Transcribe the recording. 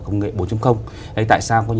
công nghệ bốn tại sao